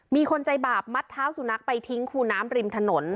มีคนใจบาปมัดเท้าสุนัขไปทิ้งคูน้ำริมถนน